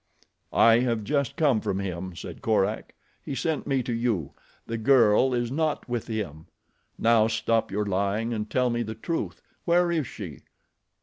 "I have just come from him," said Korak. "He sent me to you. The girl is not with him. Now stop your lying and tell me the truth. Where is she?"